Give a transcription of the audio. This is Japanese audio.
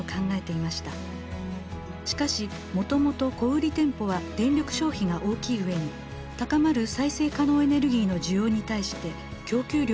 しかしもともと小売店舗は電力消費が大きい上に高まる再生可能エネルギーの需要に対して供給量には不安があります。